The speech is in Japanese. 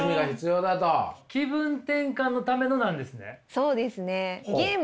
そうですね。